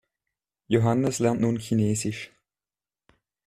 Johannes lernt nun Chinesisch.